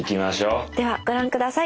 ではご覧下さい。